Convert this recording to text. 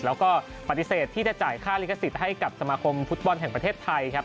แล้วก็ปฏิเสธที่จะจ่ายค่าลิขสิทธิ์ให้กับสมาคมฟุตบอลแห่งประเทศไทยครับ